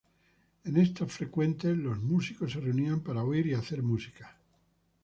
En estos frecuentes, los músicos se reunían para oír y hacer música.